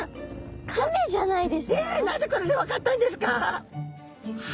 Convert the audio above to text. これえ何でこれで分かったんですか！？